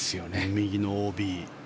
右のＯＢ。